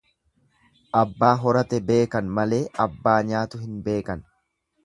Abbaa horate beekan malee abbaa nyaatu hin beekan.